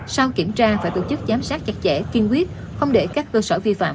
sau kiểm tra phải tổ chức giám sát chặt chẽ kiên quyết không để các cơ sở vi phạm